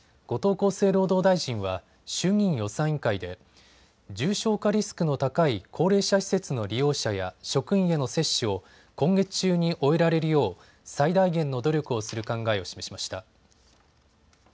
後藤厚生労働大臣は衆議院予算委員会で重症化リスクの高い高齢者施設の利用者や職員への接種を今月中に終えられるよう最大限の努力をする考えを示しました。